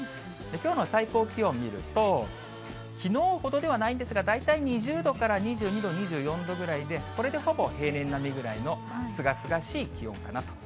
きょうの最高気温見ると、きのうほどではないんですが、大体２０度から２２度、２４度ぐらいで、これで、ほぼ平年並みぐらいのすがすがしい気温かなと。